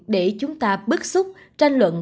để chúng ta bức xúc tranh luận